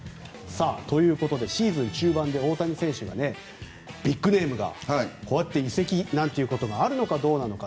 ということで、シーズン中盤で大谷選手がビッグネームがこうやって移籍ということがあるのかどうかなのか。